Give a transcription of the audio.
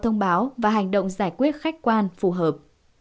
thông báo và hành động giải quyết khách quan phù hợp